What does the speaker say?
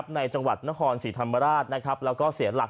ในจังหวัดนครศรีธรรมราชแล้วก็เสียหลัก